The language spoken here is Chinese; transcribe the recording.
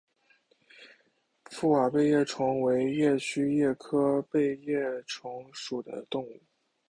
覆瓦背叶虫为叶须虫科背叶虫属的动物。